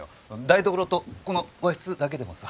台所とこの和室だけでもさ。